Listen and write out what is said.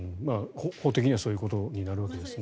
法的にはそういうことになりますね。